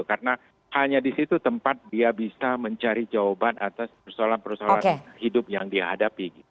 karena hanya di situ tempat dia bisa mencari jawaban atas persoalan persoalan hidup yang dihadapi